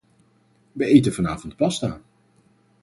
We eten vanavond pasta.